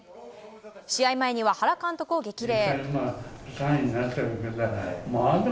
試合前には原監督を激励。